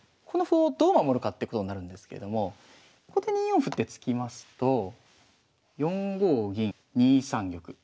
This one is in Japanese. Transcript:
この歩をどう守るかってことになるんですけれどもここで２四歩って突きますと４五銀２三玉。